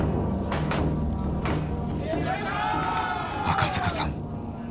赤阪さん